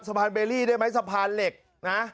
สะพานเบรี่ได้ไหมสะพานเหล็กนะ